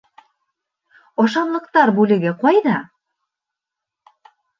Ашамлыҡтар бүлеге ҡайҙа?